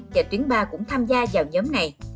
và tuyến ba cũng tham gia vào nhóm này